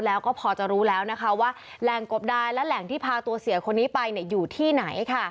แล้วก็พอจะรู้แล้วนะคะว่าแหล่งกบดายและแหล่งที่พาตัวเสียคนนี้ไปอยู่ที่ไหน